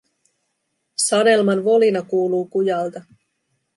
Sanelman volina kuuluu kujalta.